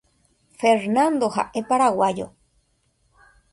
Fernando ha’e Paraguayo.